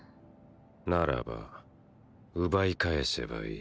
ならば奪い返せばいい。